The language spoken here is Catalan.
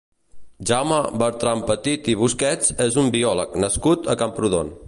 Jaume Bertranpetit i Busquets és un biòleg nascut a Camprodon.